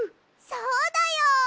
そうだよ！